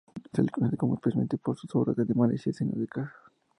Se le conoce especialmente por sus obras de animales y escenas de caza.